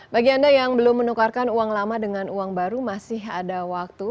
bagi anda yang belum menukarkan uang lama dengan uang baru masih ada waktu